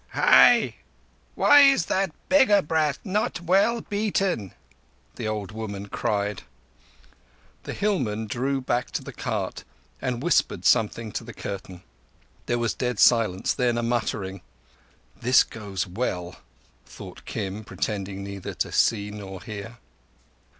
"Hai! Why is that beggar brat not well beaten?" the old woman cried. The hillman drew back to the cart and whispered something to the curtain. There was dead silence, then a muttering. "This goes well," thought Kim, pretending neither to see nor hear.